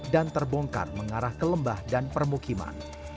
dan terbongkar mengarah ke lembah dan permukiman